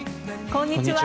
こんにちは。